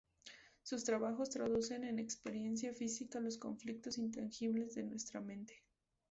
Sus trabajos traducen en experiencia física los conflictos intangibles de nuestra mente.